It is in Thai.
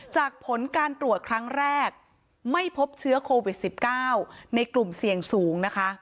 ผลการตรวจครั้งแรกไม่พบเชื้อโควิด๑๙ในกลุ่มเสี่ยงสูงนะคะ